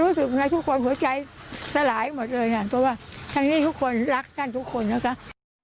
รู้สึกไงทุกคนหัวใจสลายหมดเลยค่ะเพราะว่าทั้งนี้ทุกคนรักท่านทุกคนนะคะ